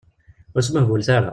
Ur smuhbulet ara.